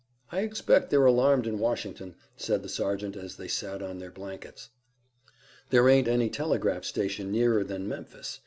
"I expect they're alarmed in Washington," said the sergeant, as they sat on their blankets. "There ain't any telegraph station nearer than Memphis.